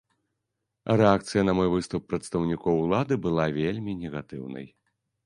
Рэакцыя на мой выступ прадстаўнікоў улады была вельмі негатыўнай.